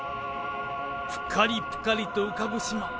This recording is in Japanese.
ぷかりぷかりと浮かぶ島。